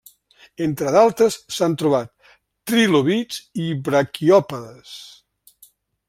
Entre d'altres, s'han trobat Trilobits i Braquiòpodes.